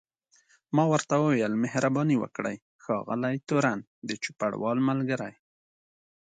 ما ورته وویل مهرباني وکړئ ښاغلی تورن، د چوپړوال ملګری.